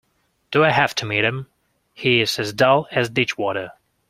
Do I have to meet him? He is as dull as ditchwater.